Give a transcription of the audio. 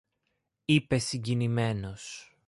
είπε συγκινημένος.